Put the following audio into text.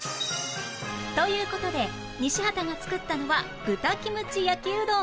という事で西畑が作ったのは豚キムチ焼きうどん